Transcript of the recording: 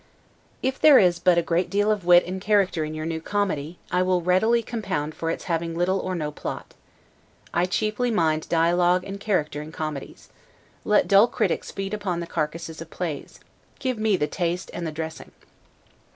If there is but a great deal of wit and character in your new comedy, I will readily compound for its having little or no plot. I chiefly mind dialogue and character in comedies. Let dull critics feed upon the carcasses of plays; give me the taste and the dressing.